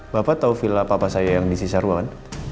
bapak tau villa papa saya yang di siseruan